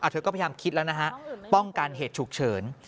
เธอก็พยายามคิดแล้วนะฮะป้องกันเหตุฉุกเฉิน